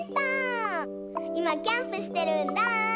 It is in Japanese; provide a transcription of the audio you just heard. いまキャンプしてるんだ！